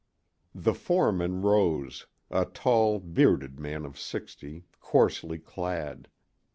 The foreman rose—a tall, bearded man of sixty, coarsely clad.